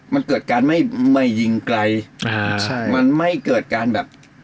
มันเกิดการไม่ไม่ยิงไกลใช่มันไม่เกิดการแบบ